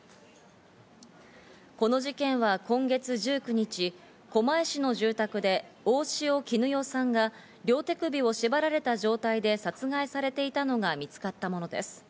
この事件は今月１９日、狛江市の住宅で大塩衣与さんが両手首を縛られた状態で殺害されていたのが見つかったものです。